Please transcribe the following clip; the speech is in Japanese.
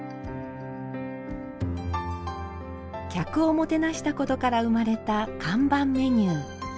客をもてなしたことから生まれた看板メニュー。